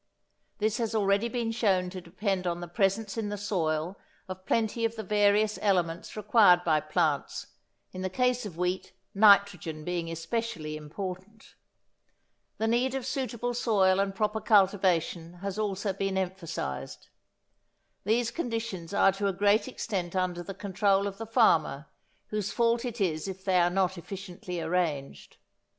This has already been shown to depend on the presence in the soil of plenty of the various elements required by plants, in the case of wheat nitrogen being especially important. The need of suitable soil and proper cultivation has also been emphasised. These conditions are to a great extent under the control of the farmer, whose fault it is if they are not efficiently arranged.